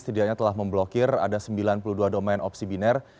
setidaknya telah memblokir ada sembilan puluh dua domain opsi biner